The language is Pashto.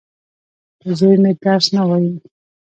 زوی مي درس نه وايي.